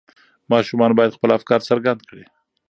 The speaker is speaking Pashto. ماشومان باید خپل افکار څرګند کړي.